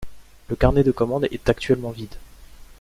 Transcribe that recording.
Le carnet de commandes est actuellement vide.